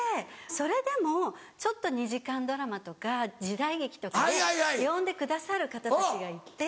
それでもちょっと２時間ドラマとか時代劇とかで呼んでくださる方たちがいて。